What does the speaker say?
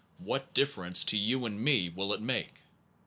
What differences to you and me will it make?